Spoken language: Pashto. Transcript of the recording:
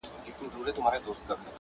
یاره کله به سیالان سو دجهانه,